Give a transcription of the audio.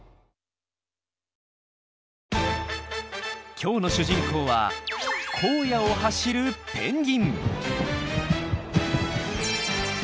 今日の主人公は荒野を走るペンギン！